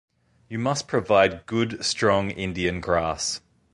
You must provide good strong Indian grass